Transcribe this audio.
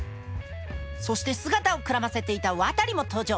そして姿をくらませていた渡も登場。